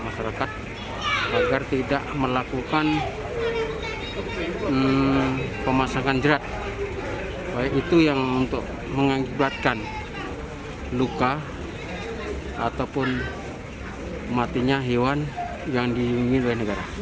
masalekat agar tidak melakukan pemasangan jrat baik itu untuk yang menyebabkan luka ataupun matinya hewan untuk yang dimimpiin oleh negara